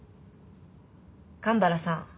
神原さん。